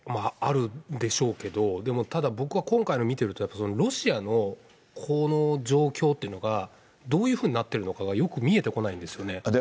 あるんでしょうけど、でもただ、僕は今回の見てると、ロシアのこの状況というのが、どういうふうになってるのかがよく見えてこないんですよね。